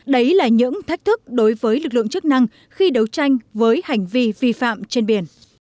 đấy là những thách thức đối với lực lượng chức năng khi đấu tranh với hành vi vi phạm trên biển